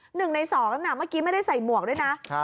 หนึ่งในสองนั้นน่ะเมื่อกี้ไม่ได้ใส่หมวกด้วยนะ